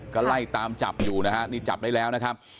ก็ไล่ตามจับอยู่นะฮะนี่จับได้แล้วนะครับ